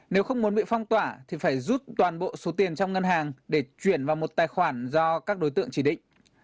nếu không muốn bị phong tỏa thì phải rút toàn bộ số tiền trong ngân hàng để chuyển vào một tài khoản do các đối tượng chỉ định